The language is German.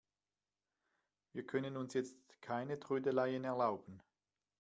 Wir können uns jetzt keine Trödeleien erlauben.